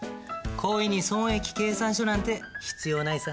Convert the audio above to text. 恋に損益計算書なんて必要ないさ。